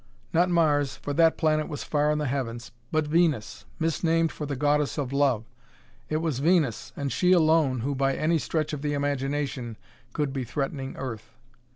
Not Mars, for that planet was far in the heavens. But Venus! misnamed for the Goddess of Love. It was Venus, and she alone, who by any stretch of the imagination could be threatening Earth.